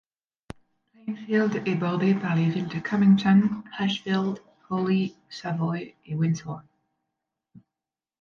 Plainfield est bordée par les villes de Cummington, Ashfield, Hawley, Savoy et Windsor.